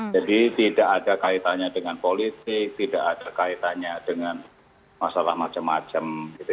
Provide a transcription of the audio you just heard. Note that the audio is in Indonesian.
jadi tidak ada kaitannya dengan politik tidak ada kaitannya dengan masalah macam macam